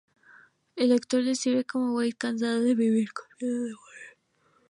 El Doctor describe a Grace como "cansada de vivir pero con miedo de morir".